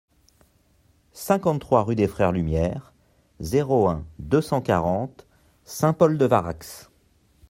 cinquante-trois rue des Frères Lumière, zéro un, deux cent quarante, Saint-Paul-de-Varax